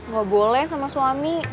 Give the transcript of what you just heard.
gak boleh sama suami